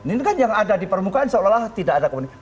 ini kan yang ada di permukaan seolah olah tidak ada komunikasi